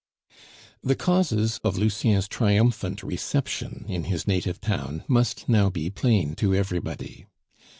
The causes of Lucien's triumphant reception in his native town must now be plain to everybody.